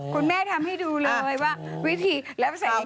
คุณแม่ทำให้ดูเลยว่าวิธีและภาษาเองเก่ง